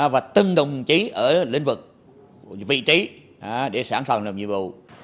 và từng đồng chí ở lĩnh vực vị trí để sẵn sàng làm nhiệm vụ